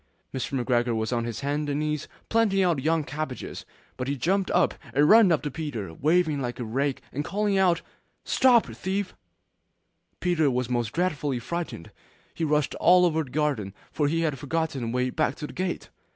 Mr. McGregor was on his hands and knees planting out young cabbages, but he jumped up and ran after Peter, waving a rake and calling out, 'Stop thief!' Peter was most dreadfully frightened; he rushed all over the garden, for he had forgotten the way back to the gate.